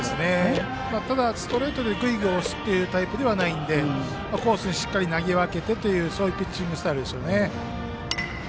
ただ、ストレートでぐいぐい押すタイプではないのでコースにしっかり投げ分けてのピッチングスタイルでしょうね。